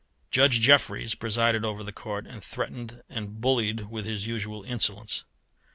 Judge Jeffreys presided over the Court, and threatened and bullied with his usual insolence.